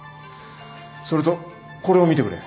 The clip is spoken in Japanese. それとこれを見てくれ。